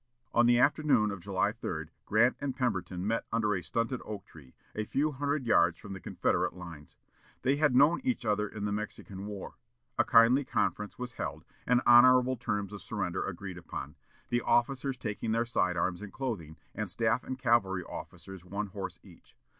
In the afternoon of July 3, Grant and Pemberton met under a stunted oak tree, a few hundred yards from the Confederate lines. They had known each other in the Mexican War. A kindly conference was held, and honorable terms of surrender agreed upon, the officers taking their side arms and clothing, and staff and cavalry officers one horse each.